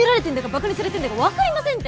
バカにされてるんだかわかりませんって！